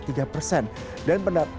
dan pendapatan terakhir adalah